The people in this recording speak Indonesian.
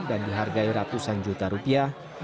dan dihargai ratusan juta rupiah